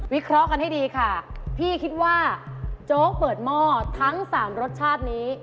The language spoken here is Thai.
เคราะห์กันให้ดีค่ะพี่คิดว่าโจ๊กเปิดหม้อทั้ง๓รสชาตินี้